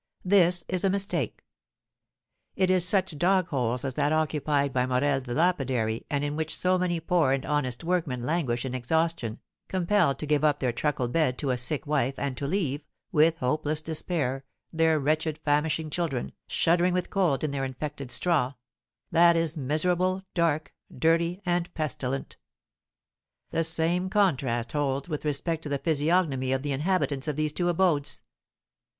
This is a mistake. It is such dogholes as that occupied by Morel the lapidary, and in which so many poor and honest workmen languish in exhaustion, compelled to give up their truckle bed to a sick wife, and to leave, with hopeless despair, their wretched, famishing children, shuddering with cold in their infected straw that is miserable, dark, dirty, and pestilent! The same contrast holds with respect to the physiognomy of the inhabitants of these two abodes.